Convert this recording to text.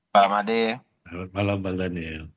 selamat malam bang daniel